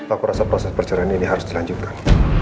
aku rasa proses perjalanan ini harus dilanjutkan